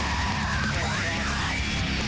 พระเจ้าหายทำ